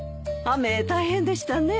雨大変でしたね。